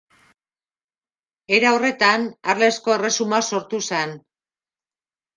Era horretan, Arlesko Erresuma sortu zen.